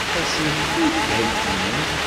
Ad sen-ten-id-theggim?